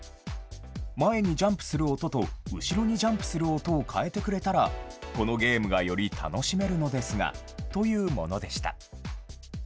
前にジャンプする音と、後ろにジャンプする音を変えてくれたら、このゲームがより楽しめるのですがというものでした。